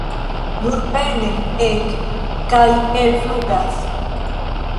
Nur pene ek- kaj el-flugas.